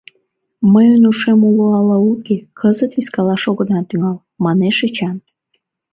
— Мыйын ушем уло але уке — кызыт вискалаш огына тӱҥал, — манеш Эчан.